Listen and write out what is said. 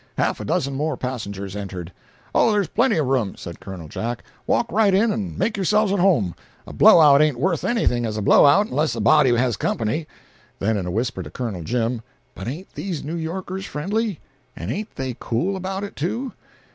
Half a dozen more passengers entered. "Oh, there's plenty of room," said Col. Jack. "Walk right in, and make yourselves at home. A blow out ain't worth anything as a blow out, unless a body has company." Then in a whisper to Col. Jim: "But ain't these New Yorkers friendly? And ain't they cool about it, too?